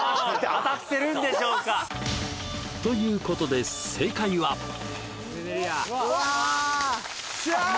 当たってるんでしょうか？ということで正解はよっしゃ！